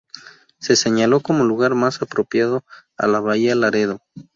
Se señaló como lugar más apropiado a la bahía Laredo.